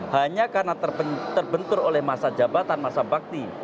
hanya karena terbentur oleh masa jabatan masa bakti